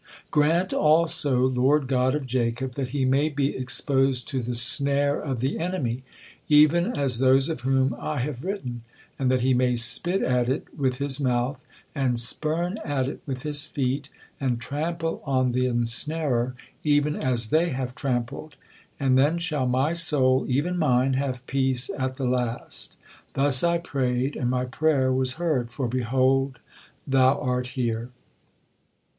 Grant also, Lord God of Jacob, that he may be exposed to the snare of the enemy, even as those of whom I have written, and that he may spit at it with his mouth, and spurn at it with his feet, and trample on the ensnarer, even as they have trampled; and then shall my soul, even mine, have peace at the last. Thus I prayed—and my prayer was heard, for behold, thou art here.'